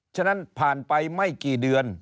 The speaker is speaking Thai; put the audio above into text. ฉะนั้นผ่านไปไม่กี่เดือน